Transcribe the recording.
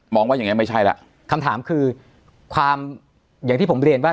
ว่าอย่างเงี้ไม่ใช่แล้วคำถามคือความอย่างที่ผมเรียนว่า